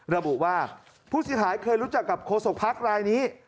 ระบุว่าผู้เสียหายเคยรู้จักกับโคศกพรรคลายนี้